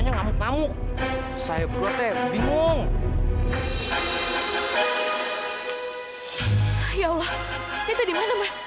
ya allah itu dimana mas